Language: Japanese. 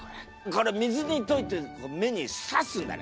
これ水に溶いて目にさすんだよ